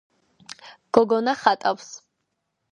გოგონა ხატავს